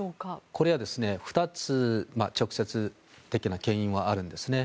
これは２つ直接的な原因があるんですね。